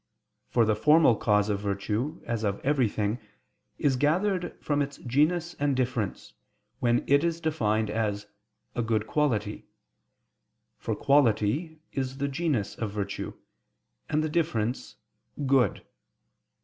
For the formal cause of virtue, as of everything, is gathered from its genus and difference, when it is defined as "a good quality": for "quality" is the genus of virtue, and the difference, "good."